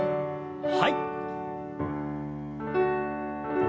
はい。